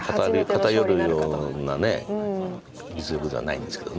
偏るような実力ではないんですけど。